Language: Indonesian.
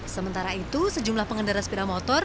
sementara itu sejumlah pengendara sepeda motor